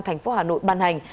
thành phố hà nội ban hành